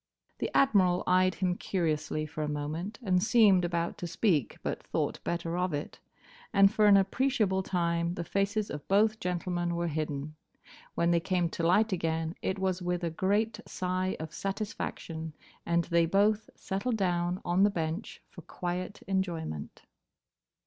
The Admiral eyed him curiously for a moment, and seemed about to speak, but thought better of it; and for an appreciable time the faces of both gentlemen were hidden. When they came to light again it was with a great sigh of satisfaction, and they both settled down on the bench for quiet enjoyment.